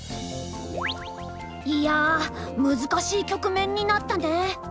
いや難しい局面になったね。